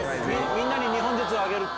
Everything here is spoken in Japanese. みんなに２本ずつあげるって。